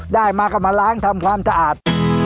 ได้มาก็มาล้างทำความสะอาด